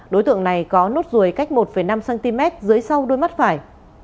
đối tượng này có nốt ruồi cách một năm cm dưới sau đuôi mắt phải